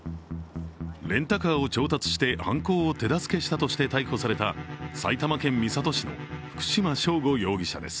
レンタカーを調達して犯行を手助けしたとして逮捕された埼玉県三郷市の福島聖悟容疑者です。